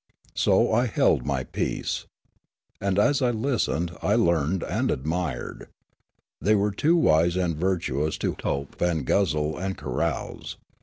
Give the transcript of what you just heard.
So I held my peace. And as I listened, I learned and admired. The)' were too wise and virtuous to tope and guzzle and carouse.